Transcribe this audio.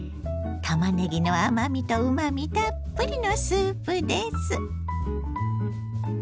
たまねぎの甘みとうまみたっぷりのスープです。